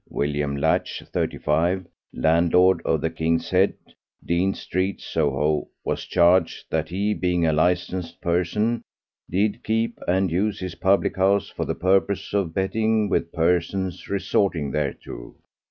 William Latch, 35, landlord of the 'King's Head,' Dean Street, Soho, was charged that he, being a licensed person, did keep and use his public house for the purpose of betting with persons resorting thereto.